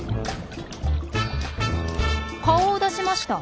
顔を出しました。